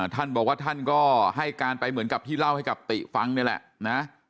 ท่านบอกว่าท่านก็ให้การไปเหมือนกับที่เล่าให้กับติฟังนี่แหละนะ